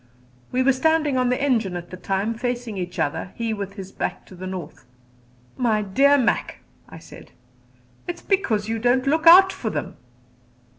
We were standing on the engine at the time, facing each other, he with his back to the north. "My dear Mac," I said, "it is because you don't look out for them."